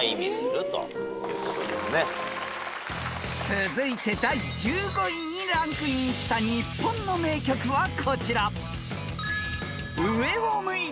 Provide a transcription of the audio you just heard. ［続いて第１５位にランクインした日本の名曲はこちら］